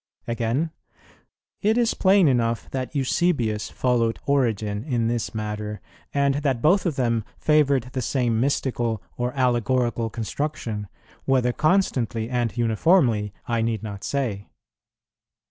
"[25:2] Again, "It is plain enough that Eusebius followed Origen in this matter, and that both of them favoured the same mystical or allegorical construction; whether constantly and uniformly I need not say."